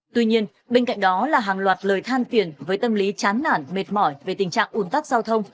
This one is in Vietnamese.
tuy nhiên bên cạnh đó là hàng loạt lời than tiền với tâm lý chán nản mệt mỏi về tình trạng ủn tắc giao thông